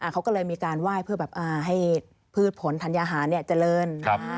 เขาก็เลยมีการไหว้เพื่อแบบให้พืชผลธัญญาหารเจริญ